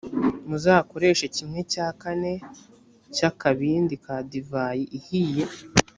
muzakoreshe kimwe cya kane cy’akabindi ka divayi ihiye.